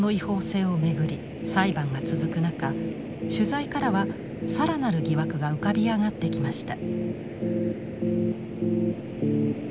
裁判が続く中取材からは更なる疑惑が浮かび上がってきました。